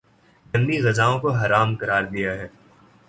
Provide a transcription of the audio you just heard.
گندی غذاؤں کو حرام قراردیا ہے